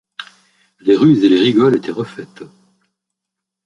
Les rues et les rigoles étaient refaites.